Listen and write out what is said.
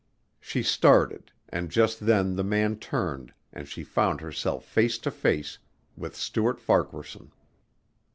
She started and just then the man turned and she found herself face to face with Stuart Farquaharson.